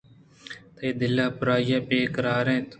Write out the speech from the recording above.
تئی دل پرائی بے قرار اِنت